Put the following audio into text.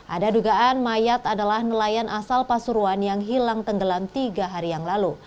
ada dugaan mayat adalah nelayan asal pasuruan yang hilang tenggelam tiga hari yang lalu